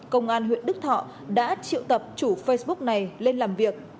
công an huyện đức thọ đã triệu tập chủ facebook này lên làm việc